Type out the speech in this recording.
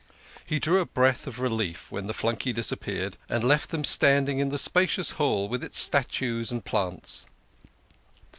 He drew a breath of relief when the flunkey disappeared, and left them standing in the spacious hall with its statues and plants.